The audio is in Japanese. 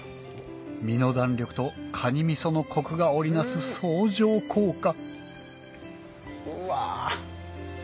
身の弾力とかにみそのコクが織り成す相乗効果うわ。